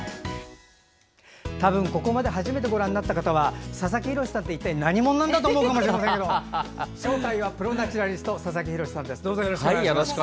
多分、ここまで初めてご覧になった方は佐々木洋さんって一体、何者なんだと思うかもしれませんが正体はプロ・ナチュラリスト佐々木洋さんです。